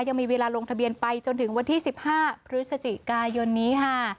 ยังมีเวลาลงทะเบียนไปจนถึงวันที่๑๕พฤศจิกายนนี้ค่ะ